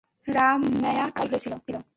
রাম্যায়া কখন পাগল হয়েছিল?